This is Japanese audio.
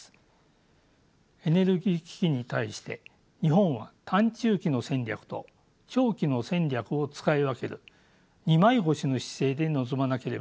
エネルギー危機に対して日本は短・中期の戦略と長期の戦略を使い分ける二枚腰の姿勢で臨まなければなりません。